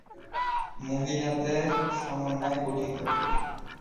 মহিলাদের সমন্বয়ে গঠিত।